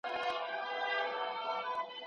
تاسو باید د هرې پېښي لپاره تدبیر ولرئ.